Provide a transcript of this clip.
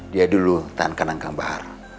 dia dulu tahan kenang kenang bahar